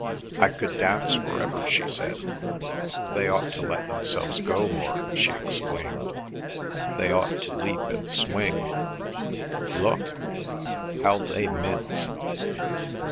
"I could dance for ever!" she said. "They ought to let themselves go more!" she exclaimed. "They ought to leap and swing. Look! How they mince!"